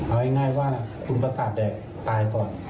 เอาง่ายว่าคุณประสาทแดกตายก่อน